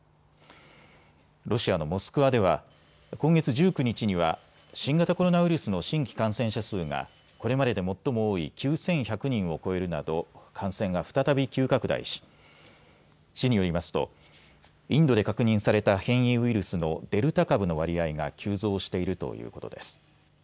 ロシアのモスクワでは今月１９日には新型コロナウイルスの新規感染者数が、これまでで最も多い９１００人を超えるなど感染が再び急拡大し、市によりますとインドで確認された変異ウイルスのデルタ株の割合が急増しているということです。